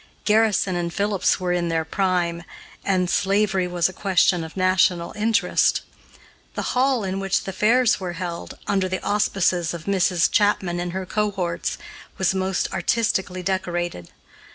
Garrison and Phillips were in their prime, and slavery was a question of national interest. The hall in which the fairs were held, under the auspices of Mrs. Chapman and her cohorts, was most artistically decorated.